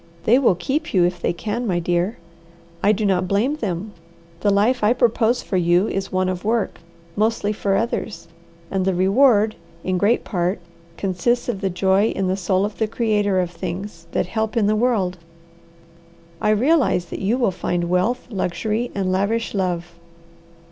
They will keep you if they can, my dear. I do not blame them. The life I propose for you is one of work, mostly for others, and the reward, in great part, consists of the joy in the soul of the creator of things that help in the world. I realize that you will find wealth, luxury, and lavish love.